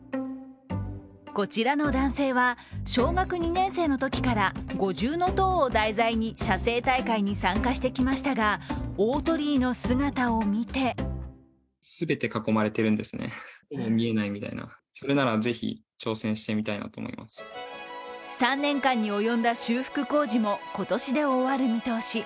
こちらの男性は小学２年生のときから五重塔を題材に写生大会に参加してきましたが大鳥居の姿を見て３年間に及んだ修復工事も今年で終わる見通し。